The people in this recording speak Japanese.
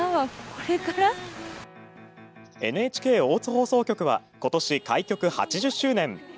ＮＨＫ大津放送局は今年開局８０周年！